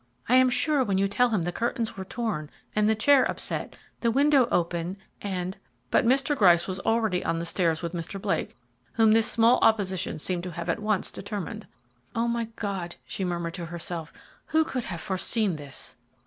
"I am sure when you tell him the curtains were torn, and the chair upset, the window open and " But Mr. Gryce was already on the stairs with Mr. Blake, whom this small opposition seemed to have at once determined. "O my God!" she murmured to herself, "who could have foreseen this."